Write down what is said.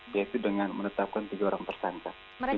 yaitu dengan menetapkan tiga orang tersangka